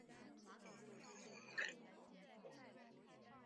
本篇只介绍电视版。